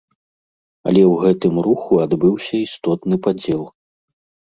Але ў гэтым руху адбыўся істотны падзел.